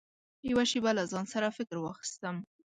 يوه شېبه له ځان سره فکر واخيستم .